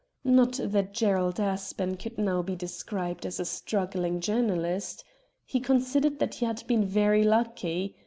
Not that Gerald Aspen could now be described as a struggling journalist. He considered that he had been very lucky.